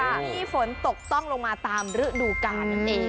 ไม่มีฝนตกต้องลงมาตามรึดูกานเอง